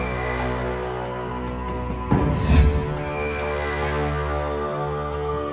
เราก็อยู่กันเหมือนด้วย